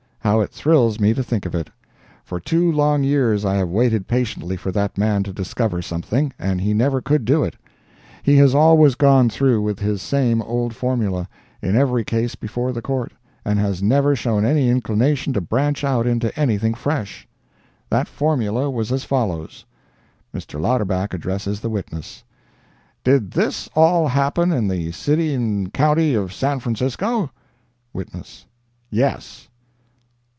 How it thrills me to think of it! For two long years I have waited patiently for that man to discover something, and he never could do it. He has always gone through with his same old formula, in every case before the Court, and has never shown any inclination to branch out into anything fresh. That formula was as follows: Mr. Louderback addresses the witness: "Did this all happen in the city'n county of San Francisco?" Witness—"Yes."